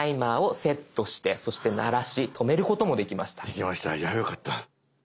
できましたいやよかった。